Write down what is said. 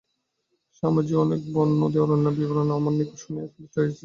স্বামীজীও অনেক বন, নদী, অরণ্যের বিবরণ আমার নিকট শুনিয়া সন্তষ্ট হইয়াছেন।